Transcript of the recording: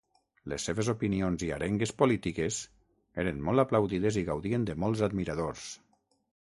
Les seves opinions i arengues polítiques eren molt aplaudides i gaudien de molts admiradors.